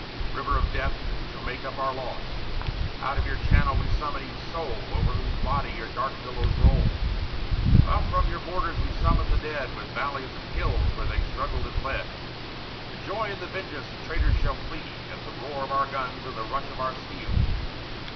River of death, you shall make up our loss! Out of your channel we summon each soul, Over whose body your dark billows roll; Up from your borders we summon the dead, From valleys and hills where they struggled and bled, To joy in the vengeance the traitors shall feel At the roar of our guns and the rush of our steel!